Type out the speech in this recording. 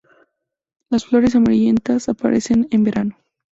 Las flores amarillentas aparecen en verano.